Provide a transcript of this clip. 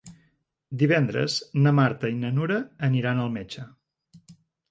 Divendres na Marta i na Nura aniran al metge.